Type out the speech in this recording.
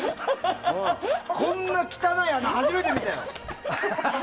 こんな汚い穴初めて見たよ。